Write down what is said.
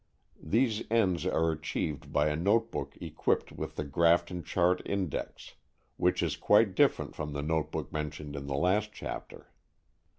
These ends are achieved by a notebook equipped with the Grafton Chart Index, which is quite different from the notebook mentioned in the last chapter.